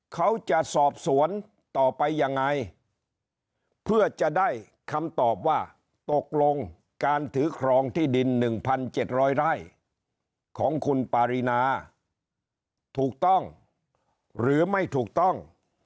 เขาจะสอบสวนต่อไปยังไงเพื่อจะได้คำตอบว่าตกลงการถือครองที่ดิน๑๗๐๐ไร่ของคุณปารีนาถูกต้องหรือไม่ถูกต้อง